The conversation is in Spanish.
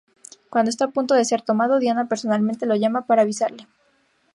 Cuando está a punto de ser tomado, Diana personalmente lo llama para avisarle.